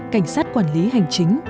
cảnh sát quản lý hành chính